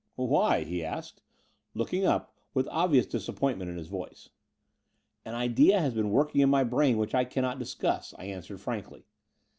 *' Why?" he asked, looking up, with obvious disappointment in his voice. An idea has been working in my brain which I cannot discuss," I answered frankly.